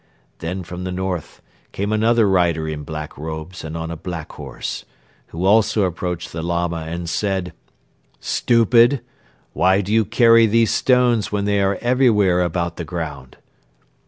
Then from the north came another rider in black robes and on a black horse, who also approached the Lama and said: "'Stupid! Why do you carry these stones when they are everywhere about the ground?